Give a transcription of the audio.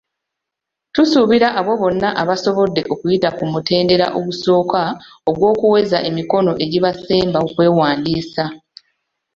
Tusuubira abo bonna abasobodde okuyita ku mutendera ogusooka ogw'okuweza emikono egibasemba okwewandiisa.